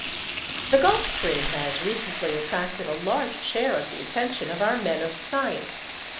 _ The Gulf Stream has recently attracted a large share of the attention of our men of science.